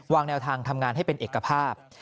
แนวทางทำงานให้เป็นเอกภาพ